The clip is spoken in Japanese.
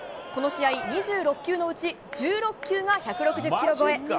この試合、２６球のうち１６球が１６０キロ超え。